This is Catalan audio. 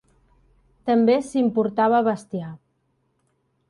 També s'importava bestiar.